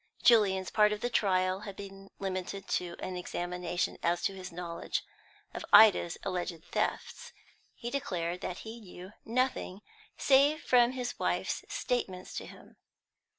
Julian's part in the trial had been limited to an examination as to his knowledge of Ida's alleged thefts. He declared that he knew nothing save from his wife's statements to him.